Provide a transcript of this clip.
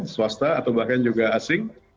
swasta atau bahkan juga asing